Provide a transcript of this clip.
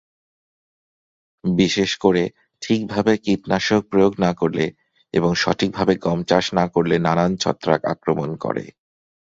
বিশেষ করে ঠিকভাবে কীটনাশক প্রয়োগ না করলে এবং সঠিকভাবে গম চাষ না করলে নানান ছত্রাক আক্রমণ করে।